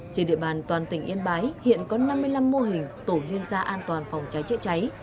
trên địa bàn toàn tỉnh yên bái hiện có năm mươi năm mô hình tổ liên gia an toàn phòng cháy chữa cháy